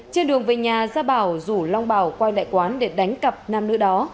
trên đường về nhà gia bảo rủ long bảo quay lại quán để đánh cặp nam nữ đó